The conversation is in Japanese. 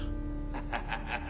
ハハハハハ。